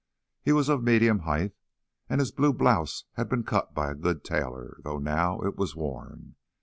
He was of medium height, and his blue blouse had been cut by a good tailor, though now it was worn.